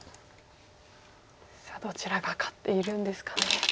さあどちらが勝っているんですかね。